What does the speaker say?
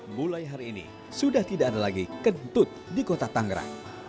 mulai hari ini sudah tidak ada lagi kentut di kota tangerang